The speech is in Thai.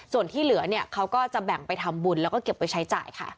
ส่วนที่เหลือเนี่ยเขาก็จะแบ่งไปทำบุญแล้วก็เก็บไว้ใช้จ่ายค่ะ